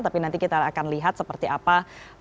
tapi nanti kita akan lihat seperti apa